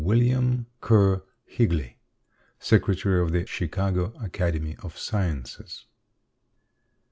WILLIAM KERR HIGLEY, Secretary of The Chicago Academy of Sciences.